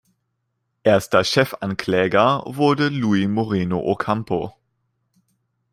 Erster Chefankläger wurde Luis Moreno Ocampo.